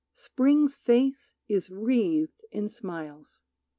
Spring's face is wreathed in smiles.